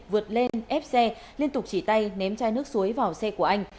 vượt lên ép xe liên tục chỉ tay ném chai nước suối vào xe của anh